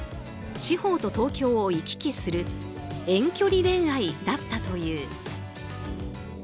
地方と東京を行き来する遠距離恋愛だったという。